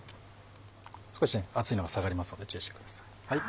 少し熱いのが下がりますので注意してください。